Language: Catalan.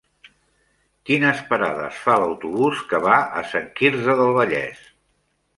Quines parades fa l'autobús que va a Sant Quirze del Vallès?